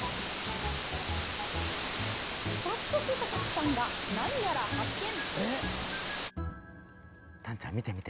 早速、佐々木さんが何やら発見！